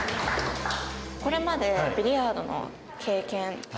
これまでビリヤードの経験ありますか？